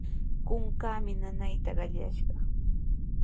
Kunkaami nanayta qallashqa.